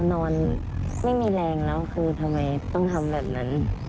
นอนไม่มีแรงแล้วคือทำไมต้องทำแบบนั้น